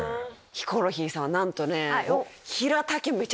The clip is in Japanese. ヒコロヒーさんなんとね。